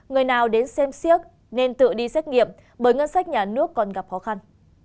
người nào đến xem siếc nên tự đi xét nghiệm bởi ngân sách nhà nước còn gặp khó khăn